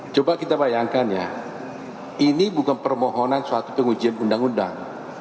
coba kita bayangkan ya ini bukan permohonan suatu pengujian undang undang